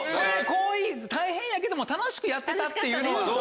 大変やけども楽しくやってたっていうのは。